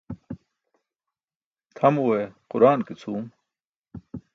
Tʰamuwe quraan ke cʰuum.